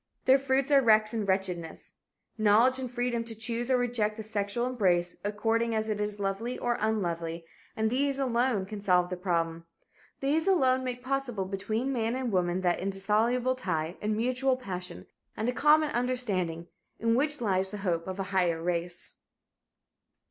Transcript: Their fruits are wrecks and wretchedness. Knowledge and freedom to choose or reject the sexual embrace, according as it is lovely or unlovely, and these alone, can solve the problem. These alone make possible between man and woman that indissoluble tie and mutual passion, and common understanding, in which lies the hope of a higher race.